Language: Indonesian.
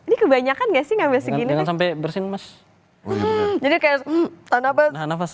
ini kebanyakan gak sih ngambil segini sampai bersin mas jadi kayak tanah pas